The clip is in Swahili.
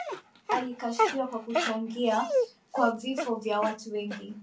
Alikashfiwa kwa kuchangia kwa vifo vya watu wengi